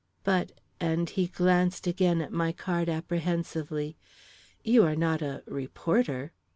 "But," and he glanced again at my card apprehensively, "you are not a reporter?"